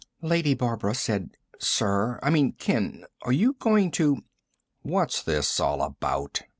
Lady Barbara said: "Sir ... I mean Ken ... are you going to " "What's this all about?"